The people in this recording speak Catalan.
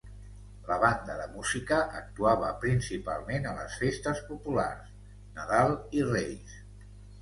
La banda de Música actuava principalment a les festes populars, Nadal i Reis.